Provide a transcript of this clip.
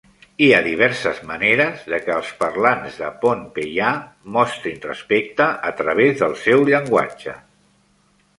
Hi ha diverses maneres de que els parlants de pohnpeià mostrin respecte a través del seu llenguatge.